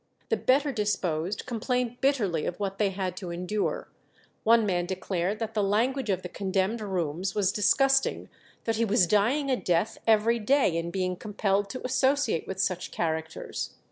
The better disposed complained bitterly of what they had to endure; one man declared that the language of the condemned rooms was disgusting, that he was dying a death every day in being compelled to associate with such characters.